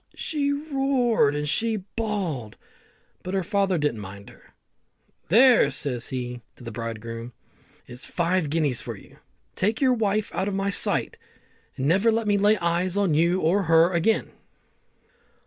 She roared and she bawled, but her father didn't mind her. "There," says he to the bridegroom, "is five guineas for you. Take your wife out of my sight, and never let me lay eyes on you or her again."